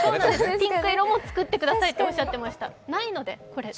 ピンク色も作ってくださいっておっしゃっていました。